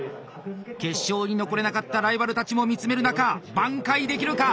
決勝に残れなかったライバルたちも見つめる中挽回できるか？